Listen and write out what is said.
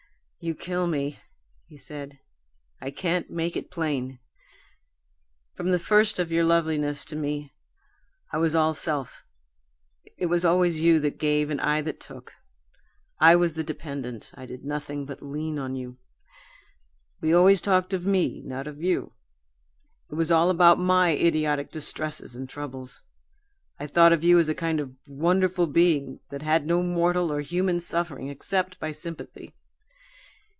"You kill me!" he said. "I can't make it plain. From the first of your loveliness to me, I was all self. It was always you that gave and I that took. I was the dependent I did nothing but lean on you. We always talked of me, not of you. It was all about my idiotic distresses and troubles. I thought of you as a kind of wonderful being that had no mortal or human suffering except by sympathy.